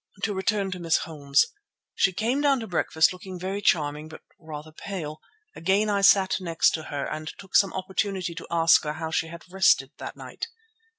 To return to Miss Holmes. She came down to breakfast looking very charming but rather pale. Again I sat next to her and took some opportunity to ask her how she had rested that night.